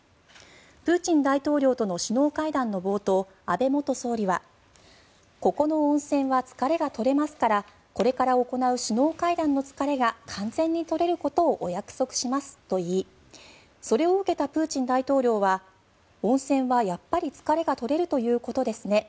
プーチン大統領との首脳会談の冒頭、安倍元総理はここの温泉は疲れが取れますからこれから行う首脳会談の疲れが完全に取れることをお約束しますと言いそれを受けたプーチン大統領は温泉は、やっぱり疲れが取れるということですね